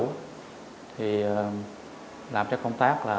và không có gì để làm cho công tác